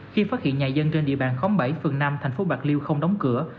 khi phát hiện nhà dân trên địa bàn khóm bảy phường năm thành phố bạc liêu không đóng cửa